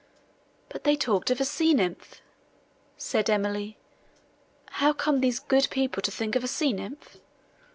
"But they talked of a sea nymph," said Emily: "how came these good people to think of a sea nymph?"